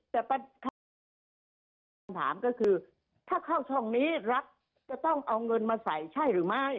แต่ค่ะถามก็คือถ้าเข้าช่องนี้รัฐจะต้องเอาเงินมาใส่ใช่หรือไม่